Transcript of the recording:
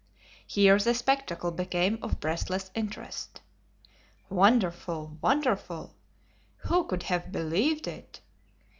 Here the spectacle became of breathless interest. "Wonderful! Wonderful!" "Who could have believed it!"